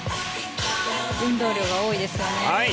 運動量が多いですからね。